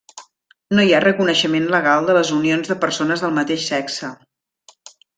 No hi ha reconeixement legal de les unions de persones del mateix sexe.